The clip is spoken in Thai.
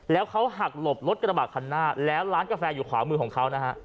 แล้วเขาหักหลบรถกระบาดคันหน้าแล้วร้านกาแฟอยู่ขวามือของเขานะฮะ